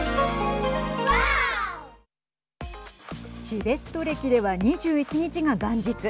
チベット暦では２１日が元日。